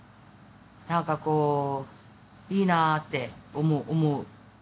なんかこういいなって思う。